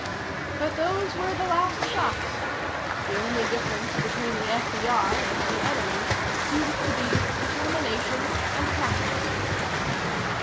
But those were the last shots. The only difference between the FBI and the Enemy seemed to be determination and practice.